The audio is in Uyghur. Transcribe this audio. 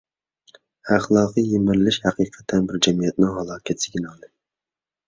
ئەخلاقىي يىمىرىلىش ھەقىقەتەن بىر جەمئىيەتنىڭ ھالاكەت سىگنالى.